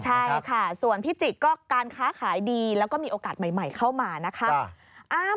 ใช่ค่ะส่วนพิจิกก็การค้าขายดีแล้วก็มีโอกาสใหม่เข้ามานะคะ